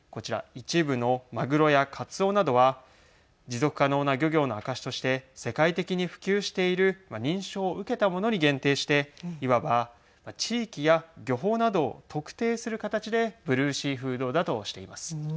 一部のまぐろやかつおなどは持続可能な漁業の証として世界的に普及している認証を受けたものに限定していわば、地域や漁法などを特定する形でブルーシーフードだとしています。